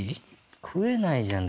食えないじゃんだ